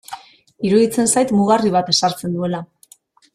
Iruditzen zait mugarri bat ezartzen duela.